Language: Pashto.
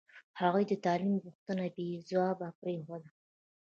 هغوی د تعلیم غوښتنه بې ځوابه پرېښوده.